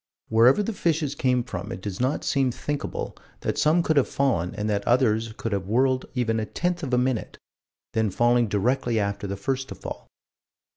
Wherever the fishes came from it does not seem thinkable that some could have fallen and that others could have whirled even a tenth of a minute, then falling directly after the first to fall.